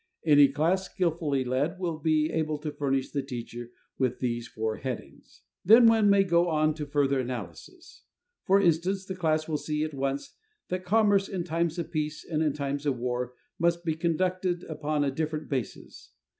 Any class, skilfully led, will be able to furnish the teacher with these four headings. Then one may go on to further analysis. For instance, the class will see at once that commerce in times of peace and in times of war must be conducted upon a different basis.